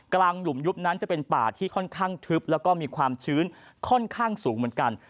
หลุมยุบนั้นจะเป็นป่าที่ค่อนข้างทึบแล้วก็มีความชื้นค่อนข้างสูงเหมือนกัน